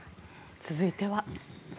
続いては。